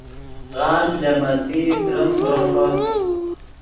غالڤ لے میݯئی تریم ڤرو ݰوت